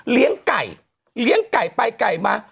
เลี้ยงไก่เลี้ยงไก่ไปไก่มา